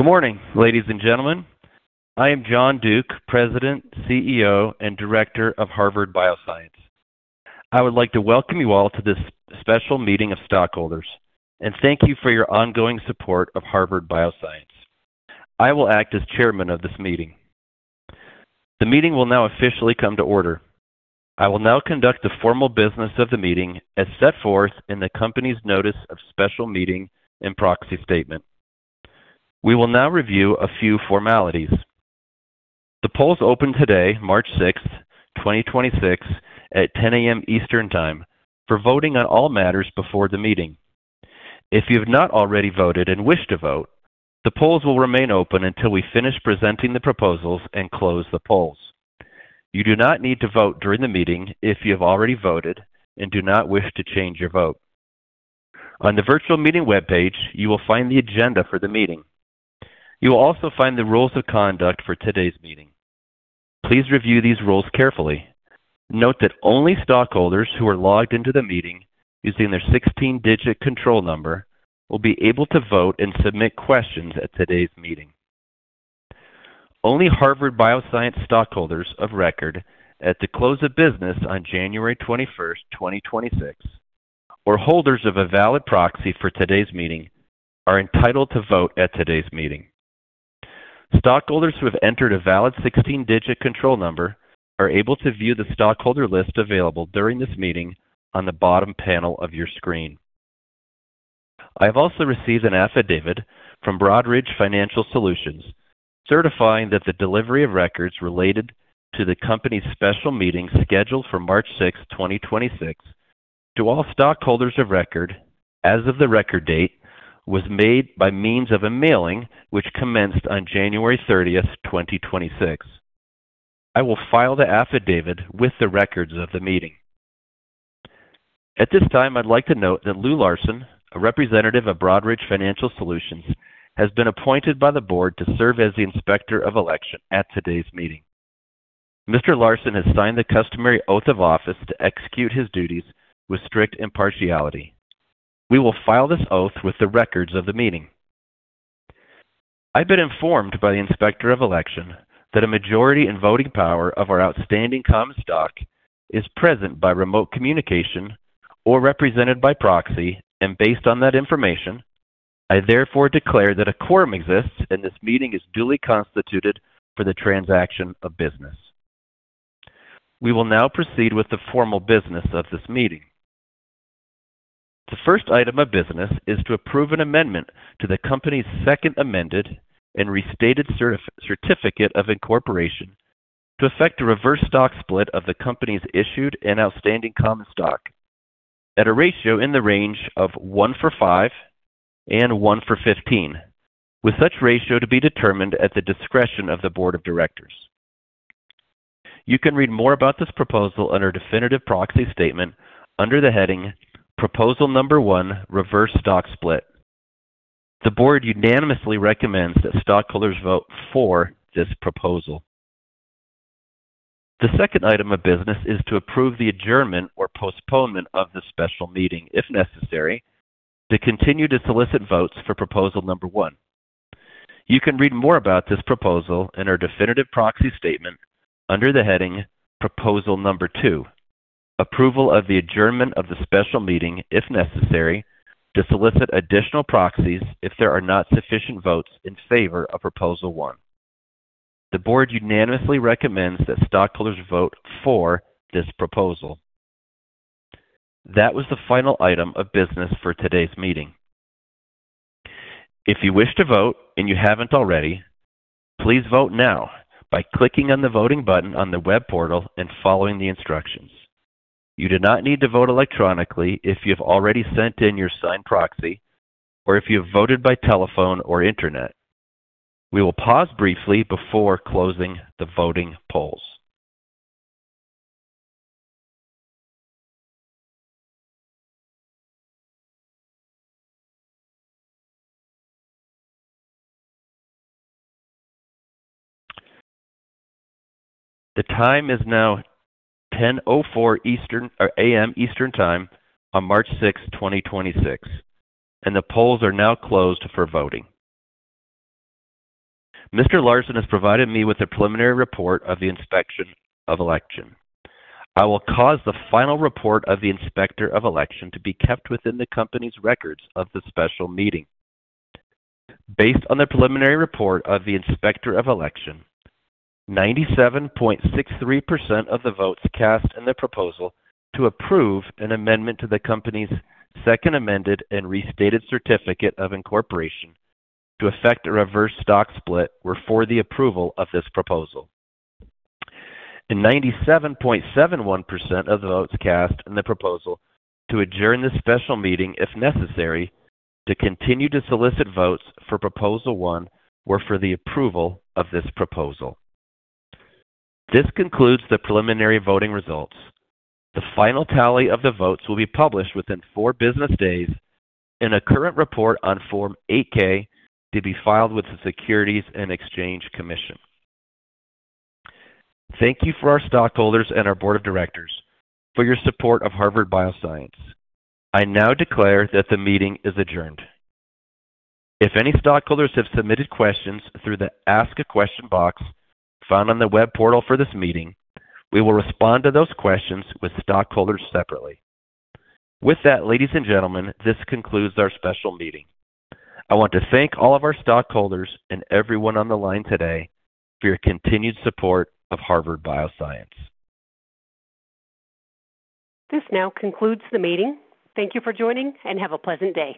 Good morning, ladies and gentlemen. I am John Duke, President, CEO, and Director of Harvard Bioscience. I would like to welcome you all to this special meeting of stockholders and thank you for your ongoing support of Harvard Bioscience. I will act as chairman of this meeting. The meeting will now officially come to order. I will now conduct the formal business of the meeting as set forth in the company's notice of special meeting and proxy statement. We will now review a few formalities. The polls opened today, March 6, 2026 at 10:00 A.M. Eastern Time for voting on all matters before the meeting. If you have not already voted and wish to vote, the polls will remain open until we finish presenting the proposals and close the polls. You do not need to vote during the meeting if you have already voted and do not wish to change your vote. On the virtual meeting webpage, you will find the agenda for the meeting. You will also find the rules of conduct for today's meeting. Please review these rules carefully. Note that only stockholders who are logged into the meeting using their 16-digit control number will be able to vote and submit questions at today's meeting. Only Harvard Bioscience stockholders of record at the close of business on January 21st, 2026 or holders of a valid proxy for today's meeting are entitled to vote at today's meeting. Stockholders who have entered a valid 16-digit control number are able to view the stockholder list available during this meeting on the bottom panel of your screen. I have also received an affidavit from Broadridge Financial Solutions certifying that the delivery of records related to the company's Special Meeting scheduled for March 6, 2026 to all stockholders of record as of the record date was made by means of a mailing which commenced on January 30, 2026. I will file the affidavit with the records of the meeting. At this time, I'd like to note that Lou Larsen, a representative of Broadridge Financial Solutions, has been appointed by the board to serve as the Inspector of Election at today's meeting. Mr. Larsen has signed the customary oath of office to execute his duties with strict impartiality. We will file this oath with the records of the meeting. I've been informed by the Inspector of Election that a majority in voting power of our outstanding common stock is present by remote communication or represented by proxy. Based on that information, I therefore declare that a quorum exists, and this meeting is duly constituted for the transaction of business. We will now proceed with the formal business of this meeting. The first item of business is to approve an amendment to the company's Second Amended and Restated Certificate of Incorporation to effect a reverse stock split of the company's issued and outstanding common stock at a ratio in the range of 1 for 5 and 1 for 15, with such ratio to be determined at the discretion of the board of directors. You can read more about this proposal on our definitive proxy statement under the heading Proposal 1, Reverse Stock Split. The board unanimously recommends that stockholders vote for this proposal. The second item of business is to approve the adjournment or postponement of the Special Meeting, if necessary, to continue to solicit votes for Proposal 1. You can read more about this proposal in our definitive proxy statement under the heading Proposal 2, Approval of the Adjournment of the Special Meeting, if necessary, to solicit additional proxies if there are not sufficient votes in favor of Proposal 1. The board unanimously recommends that stockholders vote for this proposal. That was the final item of business for today's meeting. If you wish to vote and you haven't already, please vote now by clicking on the voting button on the web portal and following the instructions. You do not need to vote electronically if you have already sent in your signed proxy or if you have voted by telephone or internet. We will pause briefly before closing the voting polls. The time is now 10:04 A.M. Eastern Time on March 6, 2026, the polls are now closed for voting. Mr. Larsen has provided me with a preliminary report of the Inspector of Election. I will cause the final report of the Inspector of Election to be kept within the company's records of the special meeting. Based on the preliminary report of the Inspector of Election, 97.63% of the votes cast in the proposal to approve an amendment to the company's Second Amended and Restated Certificate of Incorporation to effect a reverse stock split were for the approval of this proposal. 97.71% of the votes cast in the proposal to adjourn this special meeting if necessary to continue to solicit votes for Proposal 1 were for the approval of this proposal. This concludes the preliminary voting results. The final tally of the votes will be published within four business days in a current report on Form 8-K to be filed with the Securities and Exchange Commission. Thank you for our stockholders and our board of directors for your support of Harvard Bioscience. I now declare that the meeting is adjourned. If any stockholders have submitted questions through the Ask a Question box found on the web portal for this meeting, we will respond to those questions with stockholders separately. Ladies and gentlemen, this concludes our special meeting. I want to thank all of our stockholders and everyone on the line today for your continued support of Harvard Bioscience. This now concludes the meeting. Thank you for joining, and have a pleasant day.